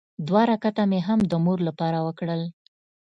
دوه رکعته مې هم د مور لپاره وکړل.